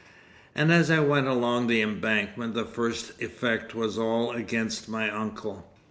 And as I went along the embankment the first effect was all against my uncle.